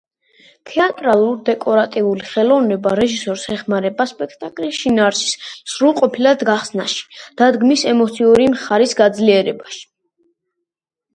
თეატრალურ-დეკორატიული ხელოვნება რეჟისორს ეხმარება სპექტაკლის შინაარსის სრულყოფილად გახსნაში, დადგმის ემოციური მხარის გაძლიერებაში.